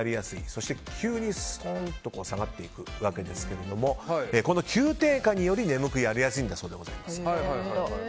そして急にスポンと下がっていくわけですが急低下により眠くなりやすいんだそうです。